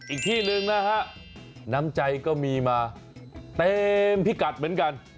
อีกที่หนึ่งนะฮะน้ำใจก็มีมาเต็มพิกัดเหมือนกัน